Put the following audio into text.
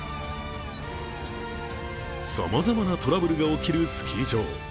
さまざまなトラブルが起きるスキー場。